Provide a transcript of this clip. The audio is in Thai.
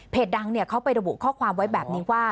ดังเขาไประบุข้อความไว้แบบนี้ว่า